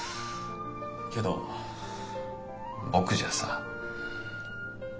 けど僕じゃさ。